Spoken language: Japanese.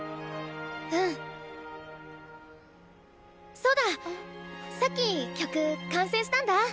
そうださっき曲完成したんだ。